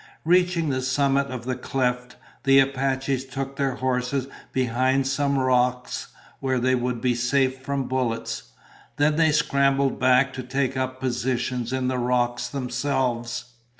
Reaching the summit of the cleft, the Apaches took their horses behind some rocks where they would be safe from bullets. Then they scrambled back to take up positions in the rocks themselves.